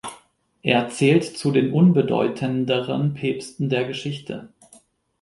Er zählt zu den unbedeutenderen Päpsten der Geschichte.